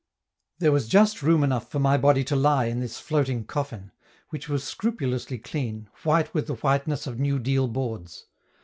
There was just room enough for my body to lie in this floating coffin, which was scrupulously clean, white with the whiteness of new deal boards.